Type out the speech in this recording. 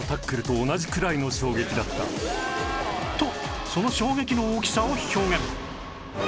とその衝撃の大きさを表現